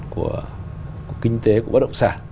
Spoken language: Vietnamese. của kinh tế của bất động sản